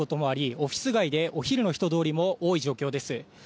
オフィス街でお昼の人通りも多い状況です。